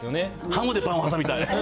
ハムでパンを挟みたい。